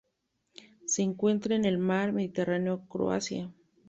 Se encuentra en el mar Mediterráneo: Croacia.